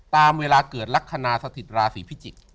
ตามเวลาเกิดลักษณะสถิตราศีพิจิกษ์